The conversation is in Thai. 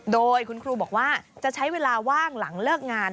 โดยคุณครูบอกว่าจะใช้เวลาว่างหลังเลิกงาน